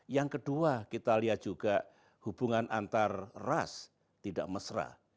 yang kedua kita lihat juga hubungan antar ras tidak mesra